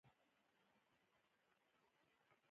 معمولي انسانان یوازې هیلې او امیدونه لري.